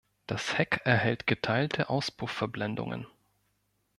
Das Heck erhält geteilte Auspuff-Verblendungen.